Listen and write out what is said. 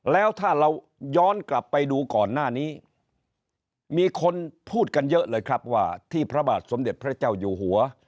แล้วถ้าเราย้อนกลับไปดูก่อนหน้านี้มีคนพูดกันเยอะเลยครับว่าที่พระบาทสมเด็จพระเจ้าอยู่หัว